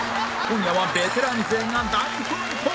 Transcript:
今夜はベテラン勢が大奮闘！